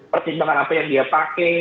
pertimbangan apa yang dia pakai